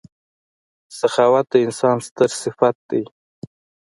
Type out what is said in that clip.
• سخاوت د انسان ستر صفت دی.